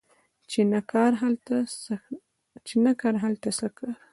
چی نه کار، هلته څه کار